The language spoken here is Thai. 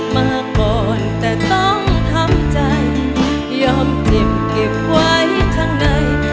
มาก่อนแต่ต้องทำใจยอมเจ็บเก็บไว้ข้างใน